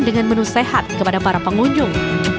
dengan menu sehat kepada para pengunjung